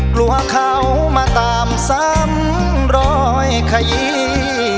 กลัวเขามาตามซ้ำรอยขยี